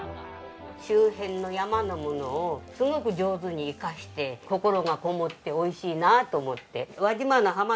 周辺の山のものをすごく上手に生かして心がこもって美味しいなと思って。